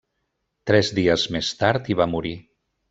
Tres dies més tard hi va morir.